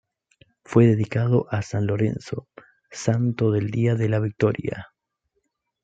Fue dedicado a san Lorenzo, santo del día de la victoria.